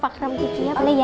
pak ram kiki ya boleh ya